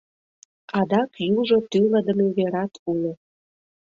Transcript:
Адак южо тӱлыдымӧ верат уло.